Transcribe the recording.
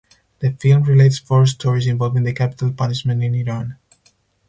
The film relates four stories involving the capital punishment in Iran.